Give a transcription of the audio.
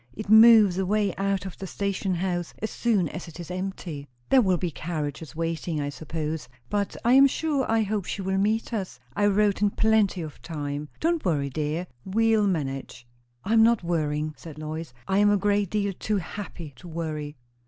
It moves away out of the station house as soon as it is empty." "There will be carriages waiting, I suppose. But I am sure I hope she will meet us. I wrote in plenty of time. Don't worry, dear! we'll manage." "I am not worrying," said Lois. "I am a great deal too happy to worry."